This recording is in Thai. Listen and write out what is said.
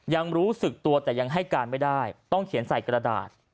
ยังรู้สึกตัวแต่ยังให้การไม่ได้ต้องเขียนใส่กระดาษ